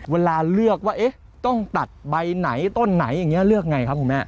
เวลาเลือกว่าต้องตัดใบไหนต้นไหนอย่างนี้เลือกไงครับคุณแม่